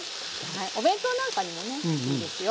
お弁当なんかにもねいいですよ。